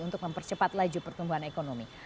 untuk mempercepat laju pertumbuhan ekonomi